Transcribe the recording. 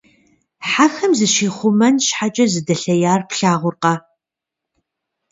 Хьэхэм зыщихъумэн щхьэкӏэ зыдэлъеяр плъагъуркъэ!